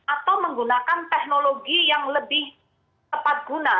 atau menggunakan teknologi yang lebih tepat guna